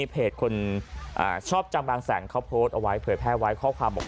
เพจคนชอบจังบางแสงเขาโพสต์เอาไว้เผยแพร่ไว้ข้อความบอก